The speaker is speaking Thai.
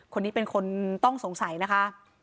คนนี้เป็นคนต้องสงสัยนะคะ